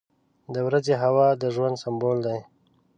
• د ورځې هوا د ژوند سمبول دی.